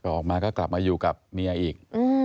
ออกมาก็กลับมาอยู่กับเมียอีก